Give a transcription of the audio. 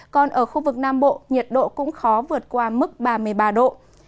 còn ở khu vực nam bộ nhiệt độ cũng khó vượt qua mức ba mươi ba độ